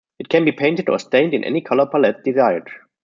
It can be painted or stained in any color palette desired.